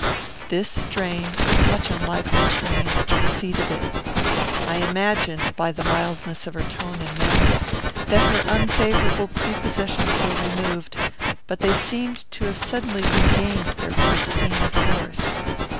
This strain was much unlike the strain which preceded it. I imagined, by the mildness of her tone and manners, that her unfavourable prepossessions were removed; but they seemed to have suddenly regained their pristine force.